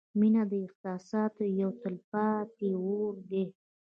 • مینه د احساساتو یو تلپاتې اور دی.